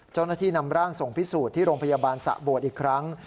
เจ้าหน้าที่นำร่างส่งพิสูจน์ที่โรงพยาบาลสะโบดอีกครั้ง